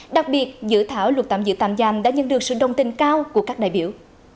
đặc biệt dự thảo luật tạm giữ tạm giam đã nhận được sự đồng tình cao của các đại biểu